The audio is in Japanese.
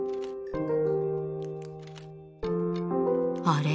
あれ？